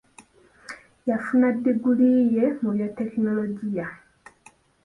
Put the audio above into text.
Yafuna diguli ye mu bya tekinologiya.